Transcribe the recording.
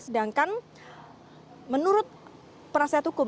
sedangkan menurut penasihat hukum